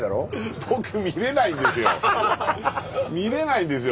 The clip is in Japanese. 僕見れないんですよ。